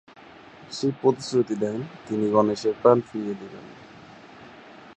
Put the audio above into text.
শিব প্রতিশ্রুতি দেন, তিনি গণেশের প্রাণ ফিরিয়ে দেবেন।